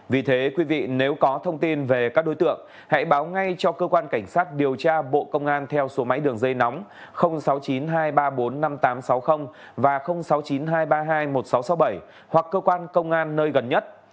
vì thế quý vị nếu có thông tin về các đối tượng hãy báo ngay cho cơ quan cảnh sát điều tra bộ công an theo số máy đường dây nóng sáu mươi chín hai trăm ba mươi bốn năm nghìn tám trăm sáu mươi và sáu mươi chín hai trăm ba mươi hai một nghìn sáu trăm sáu mươi bảy hoặc cơ quan công an nơi gần nhất